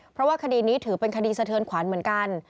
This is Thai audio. เพราะว่าคดีนี้ถือเป็นคดีสะเทือนขวัญเหมือนกัน